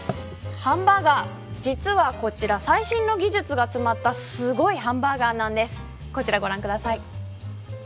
ハンバーガー、実はこちら最新の技術が詰まったすごいハンバーガーなんです。